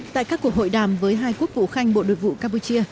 tại các cuộc hội đàm với hai quốc vụ khanh bộ nội vụ campuchia